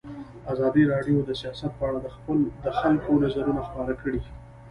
ازادي راډیو د سیاست په اړه د خلکو نظرونه خپاره کړي.